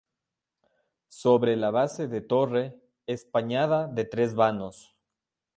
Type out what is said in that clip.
Sobre la base de torre, espadaña de tres vanos.